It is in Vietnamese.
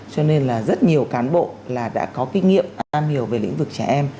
cho nên là rất nhiều cán bộ là đã có kinh nghiệm am hiểu về lĩnh vực trẻ em